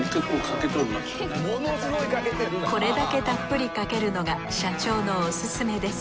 これだけたっぷりかけるのが社長のオススメです。